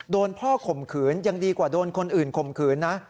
โดนพ่อข่มขืนยังดีกว่าโดนคนอื่นข่มขืนนะ